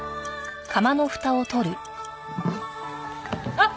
あっ。